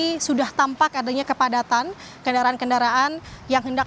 ini sudah tampak adanya kepadatan kendaraan kendaraan yang hendak